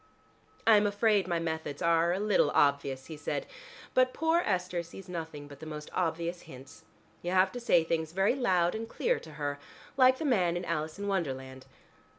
"I am afraid my methods are a little obvious," he said, "but poor Esther sees nothing but the most obvious hints. You have to say things very loud and clear to her, like the man in 'Alice in Wonderland.'"